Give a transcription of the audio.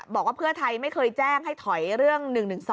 บอกว่าเพื่อไทยไม่เคยแจ้งให้ถอยเรื่อง๑๑๒